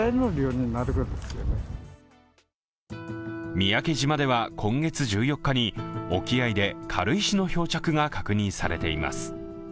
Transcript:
三宅島では、今月１４日に沖合で軽石の漂着が確認されています。